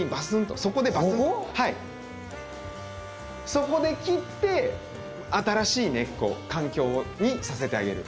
そこで切って新しい根っこ環境にさせてあげる。